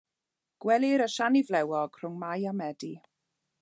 Gwelir y siani flewog rhwng Mai a Medi.